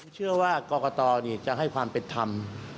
เชื่อว่ากรกตจะให้ความเป็นธรรม